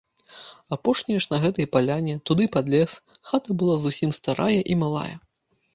Апошняя ж на гэтай паляне, туды пад лес, хата была зусім старая і малая.